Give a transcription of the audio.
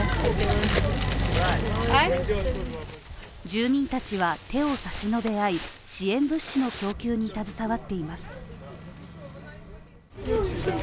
住民たちは、手を差し伸べ合い支援物資の供給に携わっています。